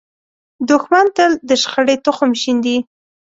دښمن تل د شخړې تخم شیندي